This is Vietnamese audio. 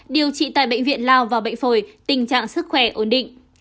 điều trị tại bệnh viện lao và bệnh phổi tình trạng sức khỏe ổn định